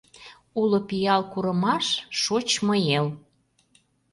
Уло пиал курымаш — шочмо эл!